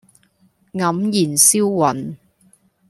黯然銷魂